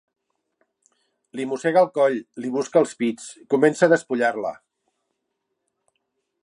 Li mossega el coll, li busca els pits, comença a despullar-la.